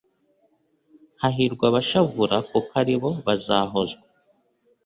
Hahirwa abashavura Kuko ari bo bazahozwa